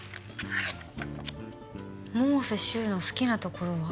「百瀬柊の好きなところは？」